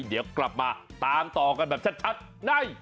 เดี๋ยวกลับมาตามต่อกันแบบชัดใน